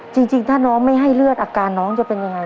จริงถ้าน้องไม่ให้เลือดอาการน้องจะเป็นยังไง